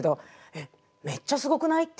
めっちゃすごくない？って。